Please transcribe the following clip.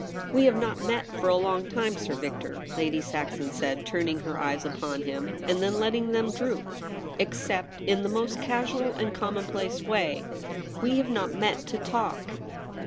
' We have not met for a long time, Sir Victor,' Lady Saxon said, turning her eyes upon him, and then letting them droop ;* ex cept in the most casual and commonplace way. We have not met to talk.'